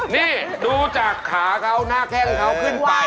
นี่ดูจากขาเขาหน้าแข้งเขาขึ้นไป